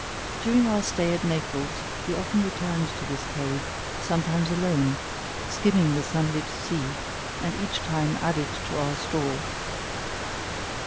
During our stay at Naples, we often returned to this cave, sometimes alone, skimming the sun lit sea, and each time added to our store.